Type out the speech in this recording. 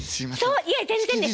いえ全然です。